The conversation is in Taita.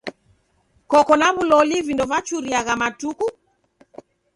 Koko na w'uloli vindo vachuriagha matuku?